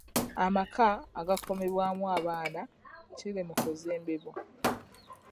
Amaka agakuumibwamu abaana kiri mu kuzimbibwa.